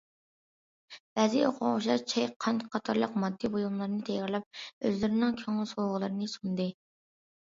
بەزى ئوقۇغۇچىلار چاي، قەنت قاتارلىق ماددىي بۇيۇملارنى تەييارلاپ، ئۆزلىرىنىڭ كۆڭۈل سوۋغىلىرىنى سۇندى.